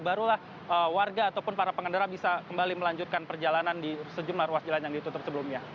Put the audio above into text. barulah warga ataupun para pengendara bisa kembali melanjutkan perjalanan di sejumlah ruas jalan yang ditutup sebelumnya